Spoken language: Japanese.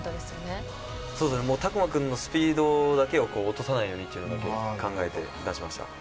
拓磨君のスピードだけを落とさないようにということを考えて出しました。